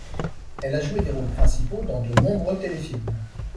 Elle a joué des rôles principaux dans de nombreux téléfilms.